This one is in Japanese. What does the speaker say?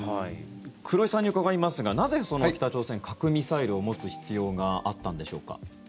黒井さんに伺いますがなぜ、北朝鮮は核ミサイルを持つ必要があったのでしょうか。